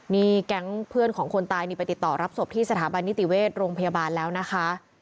นี่แก๊งเพื่อนของคนตายนี่ไปติดต่อรับศพที่สถาบันนิติเวชโรงพยาบาลแล้วนะคะ